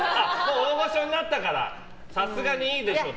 大御所になったからさすがにいいでしょうと。